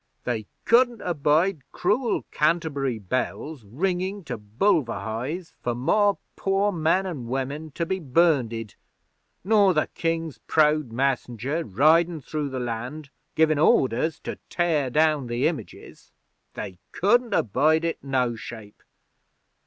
They couldn't abide cruel Canterbury Bells ringin' to Bulverhithe for more pore men an' women to be burnded, nor the King's proud messenger ridin' through the land givin' orders to tear down the Images. They couldn't abide it no shape.